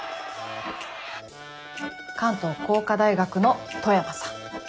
関東工科大学の富山さん。